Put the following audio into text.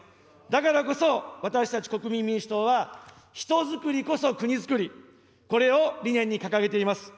だからこそ、私たち国民民主党は、人づくりこそ国づくり、これを理念に掲げています。